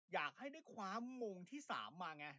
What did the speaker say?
อยากให้ได้คว้ามงที่๓มาไง